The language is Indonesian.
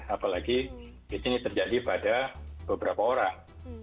apalagi ini terjadi pada beberapa orang